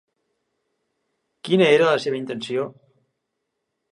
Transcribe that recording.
Quina era la seva intenció?